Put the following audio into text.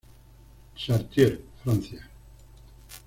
Chartier, Francia.